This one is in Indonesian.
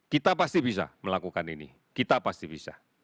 kita pasti bisa melakukan ini kita pasti bisa